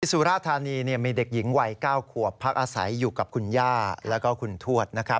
ที่สุราธารณีมีเด็กหญิงวัย๙ขวบพักอาศัยอยู่กับคุณย่าและคุณทวด